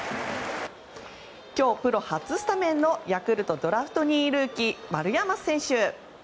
今日プロ初スタメンのヤクルト、ドラフト２位ルーキー丸山選手。